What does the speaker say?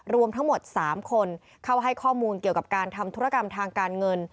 รวมทั้งหมด๓คนเข้าให้ข้อมูลเกี่ยวกับการทำธุรกรรมทางการเงิน